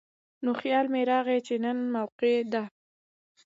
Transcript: نو خيال مې راغے چې نن موقع ده ـ